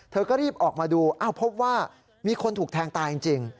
เธอก็รีบออกมาดูอ้าวพบว่ามีคนถูกแทงตายจริง